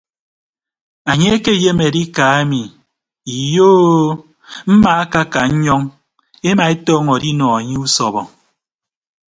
Anye ke ayem adika ami iyo o mmaakaka nnyọñ ema etọñọ adinọ enye usọbọ.